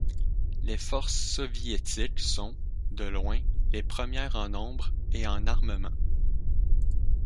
Les forces soviétiques sont, de loin, les premières en nombre et en armement.